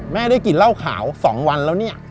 ได้กินเหล้าขาว๒วันแล้วเนี่ย